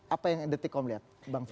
apa yang detik kamu lihat bang vito